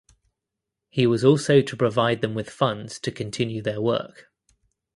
He was also to provide them with funds to continue their work.